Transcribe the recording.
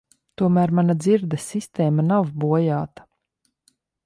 Tomēr mana dzirdes sistēma nav bojāta.